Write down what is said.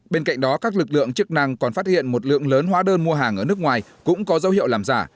bên cạnh đó các lực lượng chức năng còn phát hiện một lượng lớn hóa đơn mua hàng ở nước ngoài cũng có dấu hiệu làm giả